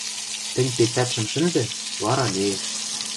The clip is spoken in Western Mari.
Тӹнь пецӓтшӹм шӹндӹ, вара лиэш...